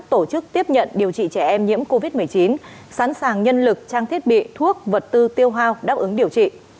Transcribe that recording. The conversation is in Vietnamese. tổ chức tiếp nhận điều trị trẻ em nhiễm covid một mươi chín sẵn sàng nhân lực trang thiết bị thuốc vật tư tiêu hao đáp ứng điều trị